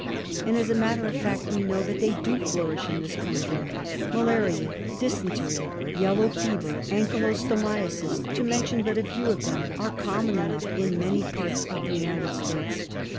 And, as a matter of fact, we know that they do flourish in this country ; malaria, dysentery, yellow fever, ankylostomiasis — to mention but a few of them — are common enough in many parts of the United States.